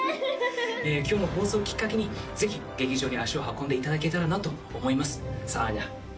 今日の放送をきっかけにぜひ劇場に足を運んでもらえたらと思います。